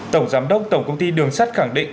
tổng giám đốc tổng công ty đường sắt khẳng định